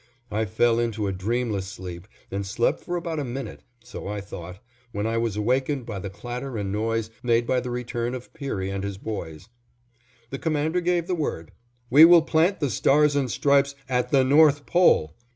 I fell into a dreamless sleep and slept for about a minute, so I thought, when I was awakened by the clatter and noise made by the return of Peary and his boys. The Commander gave the word, "We will plant the stars and stripes _at the North Pole!